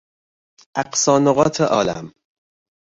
اقصی نقاط عالم